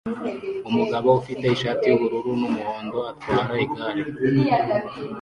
Umugabo ufite ishati yubururu numuhondo atwara igare